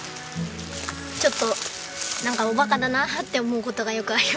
ちょっとなんかおバカだなって思う事がよくあります。